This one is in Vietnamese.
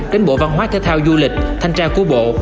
đến bộ văn hóa thể thao du lịch thanh tra của bộ